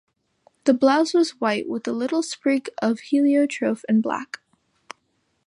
The blouse was white, with a little sprig of heliotrope and black.